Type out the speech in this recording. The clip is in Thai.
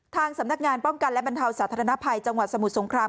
ทางสำนักงานป้องกันและบรรเทาสาธารณภัยจังหวัดสมุทรสงคราม